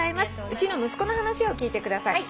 「うちの息子の話を聞いてください」